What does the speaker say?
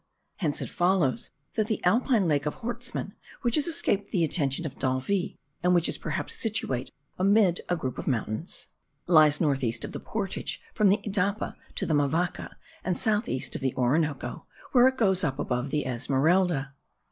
Hence it follows that the Alpine lake of Hortsmann, which has escaped the attention of D'Anville, and which is perhaps situate amid a group of mountains, lies north east of the portage from the Idapa to the Mavaca, and south east of the Orinoco, where it goes up above Esmeralda.